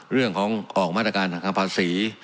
เรื่องของออกมาตรการทางภาษี